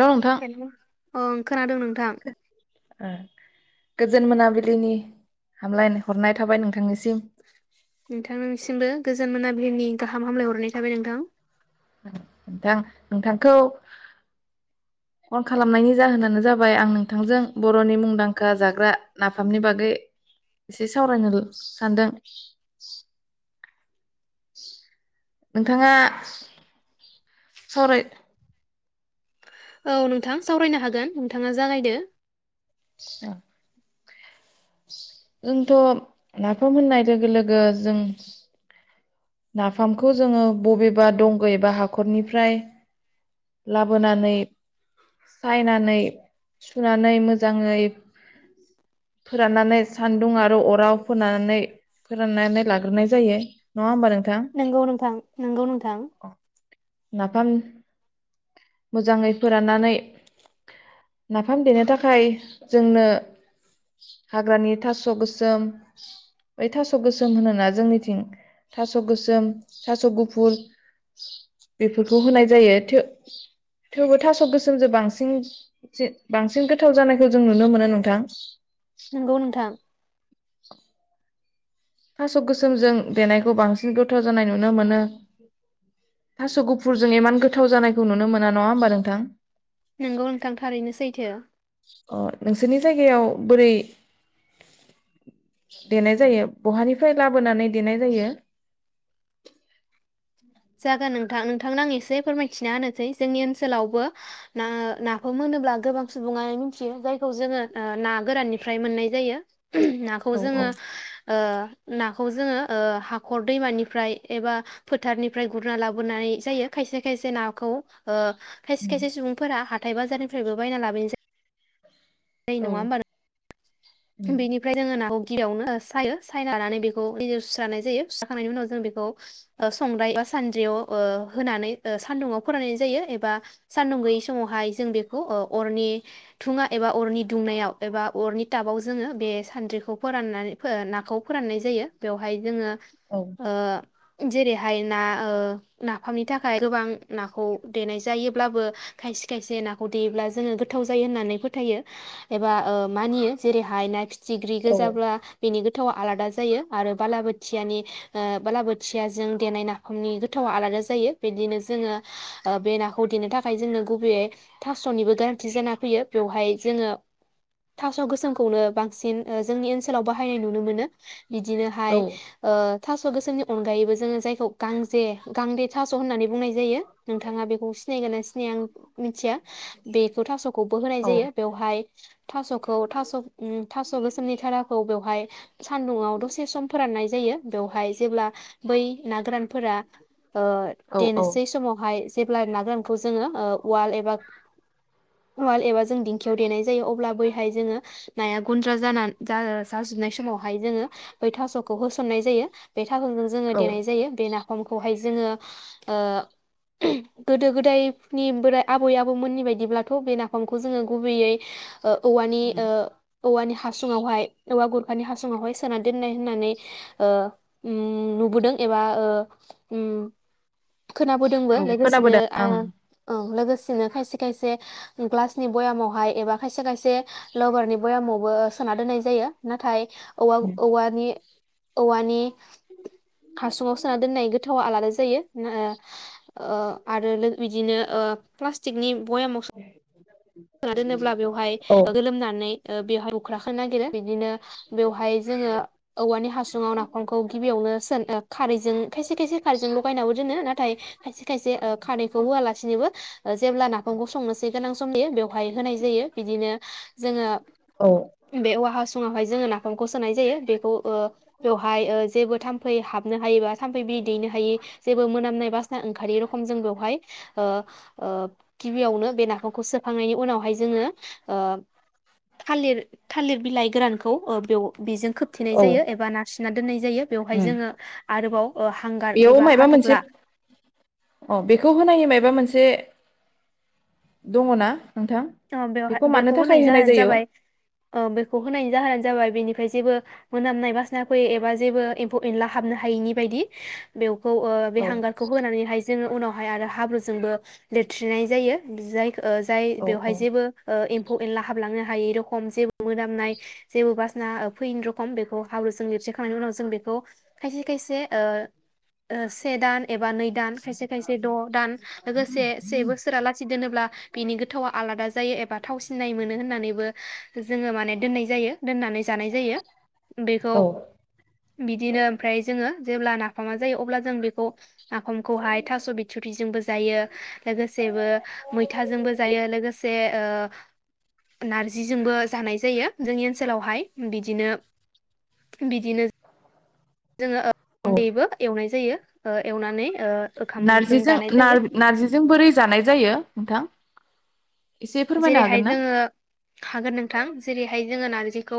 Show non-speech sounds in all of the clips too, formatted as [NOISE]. हेल' नोंथां अ खोनादों नोंथां ओ गोजोन मोनाबिलिनि हामलाय हरनाय थाबाय नोंथांनिसिम नोंथांनिसिमबो गोजोन मोनाबिलिनि गाहाम हामलायहरनाय थाबाय नोंथां। नोंथां नोंथांखौ फन खालामनायनि जाहोनानो जाबाय आं नोंथांजों बर नि मुंदांखा जाग्रा नाफामनि बागै एसे सावरायनो सानदों। नोंथाङा सावराय औ नोंथां सावरायनो हागोन नोंथाङा जागायदो। [UNINTELLIGIBLE] जोंथ' नाफाम होननाय लोगो लोगो जों। नाफामखौ जोङो बबेबा दंग एबा हाखरनिफ्राय लाबोनानै सायनानै सुनानै मोजाङै फोराननानै सानदुं आरो अराव फोननानै फोराननानै लाग्रोनाय जायो नङा होमबा नों नंगौ नोंथां नंगौ नोंथां। नाफाम मोजाङै फोराननानै नाफाम देनो थाखाय जोंनो हाग्रानि थास' गोसोम बै थास' गोसोम होनोना जोंनिथिं थास' थास' गोसोम थास' गुफुर बेफोरखौ होनाय जायो थेवबो थास' गोसोमजों बांसिन बांसिन गोथाव जानायखौ जों नुनो मोनो नोंथां। नंगौ नोंथां। थास' गोसोमजों देनायखौ बांसिन गोथाव जानाय नुनो मोनो थास' गुफुरजों इमान गोथाव जानायखौ नुनो मोना नङा होमबा नोंथां। नोंगौ नोंथां थारैनो सैथो। अ नोंसोरनि जायगायाव बोरै देनाय जायो। बहानिफ्राय लाबोनानै देनाय जायो। जागोन नोंथां नोंथांनो आं एसे फोरमायथिना होनोसै जोंनि ओनसोलावबो नाफोर मोनोब्ला गोबां सुबुङानो मिथियो जायखौ जोङो ना गोराननिफ्राय मोननाय जायो। नाखौ औ औ जोङो ओ ना खौ जोङो ओ हाखर दैमानिफ्राय एबा फोथारनि। ओमफ्राय गुरना लाबोनाय जायो खायसे खायसे नाखौ ओ। खायसे उम खायसे सुबुंफोरा हाथ हाथाइ बाजारनिफ्रायबो बायना लाबोनाय जायो। न औ नङा होमबा उम नों बेनिफ्राय जोङो नाखौ। गिबियावनो सायो सायनानै बेखौ दैजों सुस्रानाय जायो सुस्राखांनायनि उनाव जों बेखौ संद्राय एबा सानद्रियाव ओ होनानै ओ सान्दुंवाव फोराननाय जायो एबा सानदुं गैयै समावहाय जों बेखौ ओ अरनि थुङा एबा अरनि दुंनायाव एबा अरनि टाबाव जोङो बे सानद्रिखौ फोराननानै नाखौ फोराननाय जायो बेवहाय जोङो। औ ओ। जेरैहाय ना ओ नाफामनि थाखाय गोबां नाखौ देनाय जायोब्लाबो खायसे खायसे नाखौ देयोब्ला जोङो गोथाव जायो होननानै फोथायो एबा ओ मानियो। जेरैहाय नाफि जिग्रि औ गोजाब्ला बेनि गो गोथावा आलादा जायो आरो बालाबोथियानि ओ बालाबोथियाजों देनाय नाफामनि गोथावा आलादा जायो बिदिनो जोङो ओ बे नाखौ देनो थाखाय जोङो गुबैयै थास निबो गोनांथि जाना फैयो बेवहाय जोङो थास गोसोम खौनो बांसिन ओ जोंनि ओनसोल। ओनसोलाव बाहायनाय नुनो मोनो बिदिनो हाय औ ओ थासगोसोमनि अनगायैबो जोङो जायखौ गांजे गांदे थास होननानै बुंनाय जायो नोंथाङा बेखौ सिनायगोन सिनाया आं मिथिया बेखौ थास खौबो होनाय औ जायो बेवहाय थासखौ थास। उम थास गोसोमनि थाराखौ बेवहाय सान्दुाव दसे सम फोराननाय जायो। बेवहाय जेब्ला। बै ना गोरानफोरबो ओ औ औ देनोसै समावहाय जेब्ला ना गोरानखौ जोङो ओ उवाल एबा उवाल एबा जों दिंखियाव देनाय जायो अब्ला बैहाय जोङो नाया गुन्द्रा जाना जा जाजोबनाय समावहाय जोङो बै थास'खौ होसननाय जायो बे थागोनजों जोङो औ देनाय जायो बे नाफामखौहाय जों जोङो ओ गोदो गोदायनि बोराय आबै आबौमोननि बायदिब्लाथ' बे नाफामखौ जोङो गुबैयै ओ औवानि उम ओ औवानि हासुुङावहाय औवा गरखानि हासुङावहाय सोना दोनो होन्नानै ओ उम नुबोदों एबा ओ उम खोनाबोदोंबो औ लोगोसेनो खोनाबोदों आ ओं औ लोगोसे दोनो खायसे खायसे ग्लासनि बयामावहाय एबा खायसे खायसे लबारनि आवबो सोना दोननाय जायो नाथाय औवा औवानि औवानि हासुङाव सोना दोननाय गोथावा आलादा जायो ओ ओ आरो लो बिदिनो ओ प्लाष्टिकनि बयेमाव सो ना दोनोब्ला बेवहाय औ ओ गोलोमनानै ओ बेवहाय बुख्राखोनो नागिरो बिदिनो बेवहाय जोङो औवानि हासुङाव नाफामखौ गिबियावनो सोनो खार खारैजों खायसे खायसे खारैजों लगायनाबो दोनो नाथाय खायसे खायसे ओ खारैखौ होआलासिनोबो जेब्ला नाफामखौ संनोसै गोनां सम जायो बेयाव होनाय जायो बिदिनो जोङो औ बे औवा हासुं फुङावहाय जोङो नाफामखौ सोनाय जायो बेखौ ओ बेवहाय ओ जेबो थाम फै हाबनो हायोबा थाम्फै बिदै दैनो हायै जेबो मोनामनाय बासा ओंखारि रखम जों बेवहाय ओ ओ गिबियावनो बे नाफामखौ सो खांनायनि उनावहाय जोङो ओ थालिर थालिर बिलाइ गोरानखौ ओ बेयाव बेजों खोबथेनाय औ जायो एबा नारसिना दोननाय जायो बेवहाय उम जोङो आरोबाव ओ हांगार बेयाव एबा मायबा मोनसे हाथ'फ्ला से दङ ना नोंथां? औ बेवहाय मानो बेखौ थाखाय होनायनि होनाय जाहोनानो जायो? जाबाय ओ बेखौ होनायनि जाहोनानो जाबाय बेनि ओमफ्राय जेबो मोनामनाय बासना फैयो एबा जेबो एम्फौ एनला हाबनो हायैनि बायदि बेव खौ ओ बे औ हांगारखौ होनानैहाय जोङो उनाव बहाय आरो हाब्रुजोंबो लिरथ्रिनाय जायो जायखो ओ जाय औ बेवहाय औ जेबो ओ एम्फौ एनला हाबलांनो हायै रखम जेबो मोदामनाय जेबो बासना फैन रखम बेखौ हावरुजों लिरथिखांनायनि उनाव जों बेखौ खायसे खायसे ओ से दान एबा नै दान खायसे खायसे द दान लोगोसे से बोसोरा लासि दोनोब्ला बेनि गो आलादा जायो एबा थाव सिनाय मोनो होननानैबो जोङो माने दोननाय जायो दोनना नानै जानाय जायो बेखौ औ बिदिनो ओमफ्राय जोङो जेब्ला नाफामा जायो अब्ला जों बेखौ नाफामखौहाय थास बिथुथिजोंबो जायो लोगोसेबो मैथाजोंबो जायो लोगोसे ओ‌ नारजिजोंबो जानाय जायो जोंनि ओनसोलावहाय बिदिनो बिदिनो जोङो औ ओ दैबो एवनाय जायो ओ एवनानै ओ ओंखामजों नारजिजों जानाय जायो नार नारजिजों बोरै जानाय जायो नोंथां एसे फोरमायनो हागोन जेरैहाय ना? जोङो हागोन नोंथां जेरैहाय जोङो नारजिखौ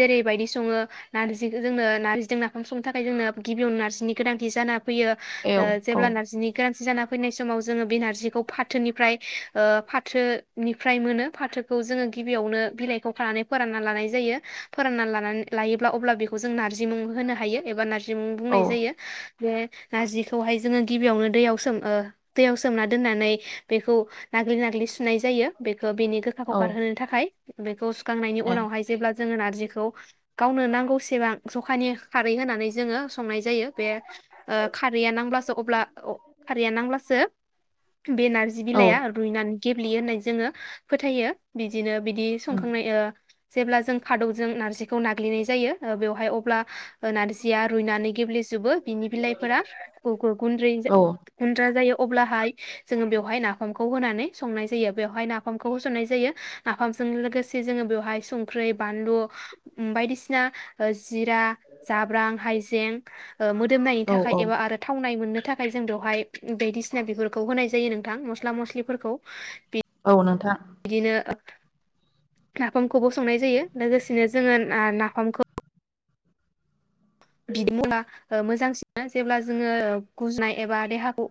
जेरैबायदि सङो नारजि जोंङो नारजिजों नाफाम संनो थाखाय जोंनो गिबियावनो नारजिनि गोनांथि जाना फैयो औ ओ औ जेब्ला नारजिनि गाज्रि जाना फैनाय समाव जोङो बे नारजिखौ फाथोनिफ्राय ओ फाथो निफ्राय मोनो फाथोखौ जोङो गिबियावनो बिलाइखौ खानानै फोरानना लानाय जायो फोरानना लानानै लायोब्ला अब्ला बेखौ जों नारजि मुं होनो हायो एबा नारजि बिमुं औ बुंनाय जायो बे नारजिखौहाय जोङो गिबियावनो दैयाव सोम ओ दैयाव सोमना दोननानै बेखौ नाग्लि नाग्लि सुनाय जायो बे थ बेनि गोखाखौ औ गारहोनो थाखाय बेखौ सु खांनायनि ए उनावहाय जेब्ला जोङो नारजिखौ गावनो नांगौसेबां जखानि खारै होनानै जोङो संनाय जायो बे ओ खारैया नांब्लासो अब्ला खारैया नांब्लासो बे नारजि औ बिलाइया रुइनानै गेब्लेयो होननाय जोङो फोथायो बिदिनो बिदि उम संखांनाय ओ जेब्ला जों खादौजों नारजिखौ नाग्लिनाय जायो ओ बेवहाय अब्ला नारजिया रुइनानै गेब्लेजोबो बिनि बिलाइफोरा ग-ग गुनद्रि औ गुन्द्रा जायो अब्लाहाय जोङो बेवहाय नाफामखौ होनानै संनाय जायो बेयाव नाफामखौ होसननाय जायो नाफामजों लोगोसे जोङो बेयावहाय संख्रि बालु उम बायदिसिना जिरा जाब्रां हाइजें ओ मोदोमनायनि औ थाखाय औ एबा आरो थावनाय मोननो थाखाय जों बेवहाय बायदिसिना बिगुरखौ होनाय जायो नोंथां मस्ला मस्लिफोरखौ अ नोंथां बिदिनो ओ नाफामखौबो संनाय जायो लोगोसेनो जोङो नाफामखौ बि [UNINTELLIGIBLE] मोजांसिन जेब्ला जोङो गुजुनाय एबा देहाखौ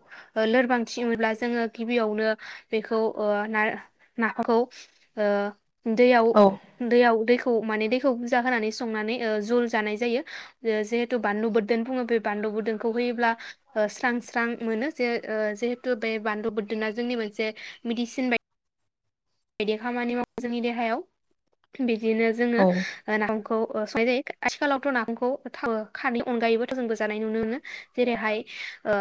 लोरबांथि मोनब्ला जोङो गिबियावनो बेखौ ओ ना नाफाखौ ओ दैयाव औ दैयाव दै खौ माने दैखौ बुरजा होनानै संनानै जुल जानाय जायो जिहेतु बानलु ब्दोन बुङो बे बानलु बोरदोनखौ होयोब्ला स्रां स्रां मोनो जे जिहेथु बे बान्लु बोरदोना जोंनि मोनसे मेडिसिन बा बायदि खामानि मावो जोंनि देहायाव बि बिदिनो जोङो औ नाफाम खौ संनाय जायो आथिखालावथ नाफामखौ थाव खारैनि अनगायैबो थाव जोंबो जानाय नुनो मोनो जेरैहाय ओ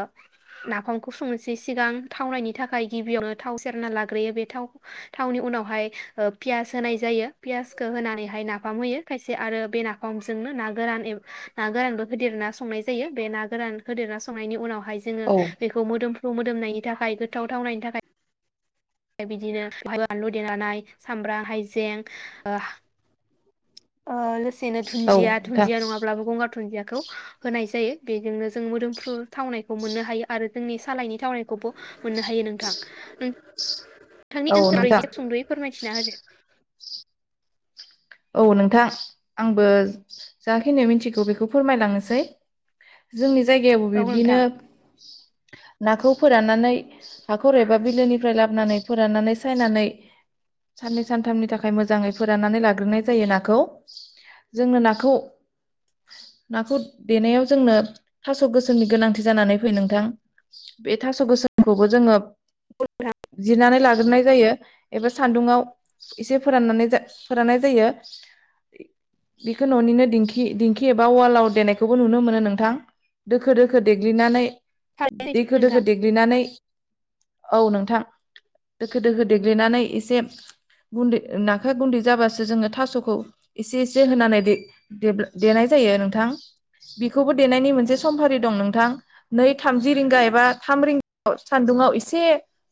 नाफामखौ संनोसै सिगां थावनायनि थाखाय गिबियावनो थाव सेरना लाग्रोयो बे थाव थावनि उनावहाय पियास होनाय जायो पियासखौ होनानै हाय ना नाफाम होयो खायसे आरो बे नाफामजोंनो ना गोरान ना गोरानबो होदेरना संनाय जायो बे ना गोरान होदेरना संनायनि उनाव हाय जोङो औ बेखौ मोदोम मोदोमनायनि थाखाय गोथाव थावनायनि थाखाय बिदिनो बानलु देनाय सामब्राम हाइजें ओ ओ लो सेनो औ दुन्दिया नोंथां दुुनन्दिया नङाब्लाबो गंगार दुुनन्दियाखौ होनाय जायो। बेजोंनो जों मोदोमफ्रु थावनायखौ मोननो हायो आरो जोंनि सालायनि थावनायखौबो मोननो हायो नोंथां ओं नोंथांनि औ ओनसोलाव नोंथां जिक सुंद'यै फोरमायथिना होदो औ नोंथां आंबो जाखिनि मिथिगौ बेखौ फोरमायलांनोसै जोंनि जायगाबो औ बिदिनो नोंथां नाखौ फोराननानै हाखर एबा बिलोनिफ्राय लाबोनानै फोराननानै सायनानै साननै सान्थामनि थाखाय मोजाङै फोराननानै लाग्रोनाय जायो नाखौ जोंनो नाखौ नाखौ देनायाव जोंनो थास' गोसोमनि गोनांथि जानानै फैयो नोंथां बे थास' गोसोमखौबो जोङो जिरनानै लाग्रोनाय जायो एबा सान्दुंआव एसे फोराननानै जा फोराननाय जायो। बेखौ न'निनो दिंखि-दिंखि एबा उवालाव देनायखौबो नुनो मोनो नोंथां दोखो-दोखो देग्लिनानै थारैनो दोखो-दोखो नोंथां। देग्लिनानै औ नोंथां दोखो-दोखो देग्लिनानै एसे गुन्दै नाखो गुन्दै जाबासो जोङो था थासखौ ऐसे-ऐसे होनानै दे देब्ला देनाय जायो नोंथां बेखौबो देनायनि मोनसे समफारि दं नोंथां नै थामजि रिंगा एबा थाम रिंगायाव सान्दुं‌आव एसे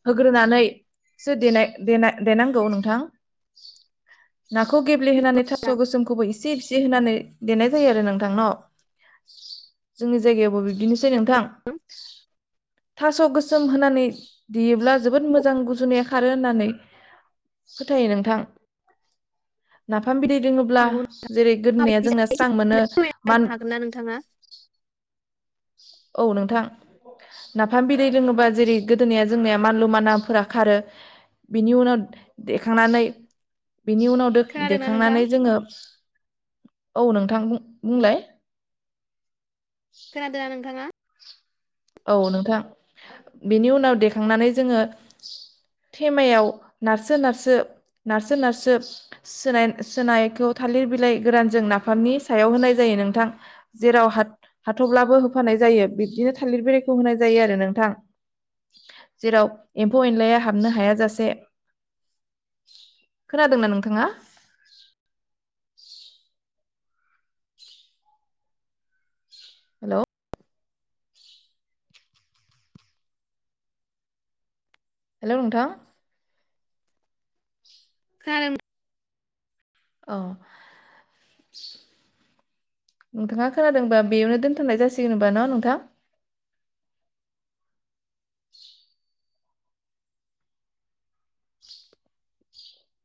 होग्रोनानैसो देनाय-देना-देनांगौ नोंथां नाखौ गेब्लेहोनै थास गोसोमखौबो ऐसे-ऐसे होनानै देनाय जायो आरो नोंथां न जोंनि जायगायावबो बिब्दि सै नोंथां थास गो सोम होनानै देयोब्ला जोबोद मोजां गुजुनाया खारो होननानै फोथायो नोंथां। नाफ फाम बिदै दोंङोब्ला नंगौ जेरै गोदोनाया माबायदि जोंना जायो एसे स्रां मोनो फोरमायना मान होनो हागोन ना नोंथाङा औ नोंथां नाफाम बिदै लोंङोबा जेरै गोदोनिाया जोंनिया मानलु मानला फोरा खारो बिनि उनाव देखांनानै बिनि उनाव दो खोनादोंना नोंथां देखांनानै जोंङो औ नोंथां बुं बुंलाय खोनादोंना नों थाङा औ नोंथां बेनि उनाव देखांनानै जोंङो थेमायाव नारसो-नारसो-नारसो-नारसो सोनाय-सोनायखौ थालिर बिलाय गोरानजों नाफामनि सायाव होनाय जायो नोंथां जेराव हाथफब्लाबो होफानाय जायो बिब्दिनो थालिर बिलायखौ होनाय जायो आरो नोंथां जेराव एम्फौ एनलाया हाबनो हायाजासे खोनादोंना नोंथाङा हेलौ हेलौ नोंथां खोनादों अ नोंथाङा खोनादोंबा बेयावनो दोनथनाय जासिगोनबा न नोंथां [INAUDIBLE] [INAUDIBLE]